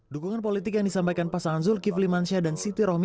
dukungan politik yang disampaikan pasangan zulkifli mansyah dan siti rohmi